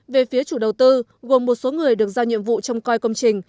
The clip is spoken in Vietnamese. về phía chủ đầu tư gồm một số người được giao nhiệm vụ trong coi công trình